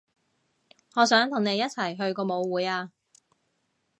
我想同你一齊去個舞會啊